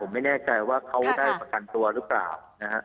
ไม่แน่ใจว่าเขาได้ประกันตัวหรือเปล่านะฮะ